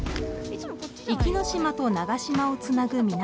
壱岐島と長島をつなぐ港。